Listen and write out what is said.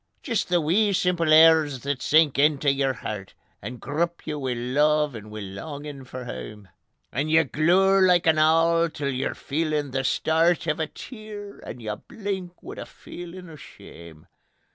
Jist the wee simple airs that sink intae your hert, And grup ye wi' love and wi' longin' for hame; And ye glour like an owl till you're feelin' the stert O' a tear, and you blink wi' a feelin' o' shame.